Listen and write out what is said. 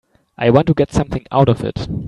I want to get something out of it.